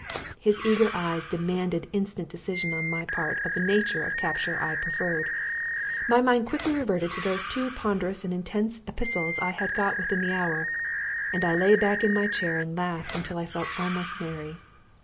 His eager eyes demanded instant decision on my part of the nature of capture I preferred. My mind quickly reverted to those two ponderous and intense epistles I had got within the hour, and I lay back in my chair and laughed until I felt almost merry.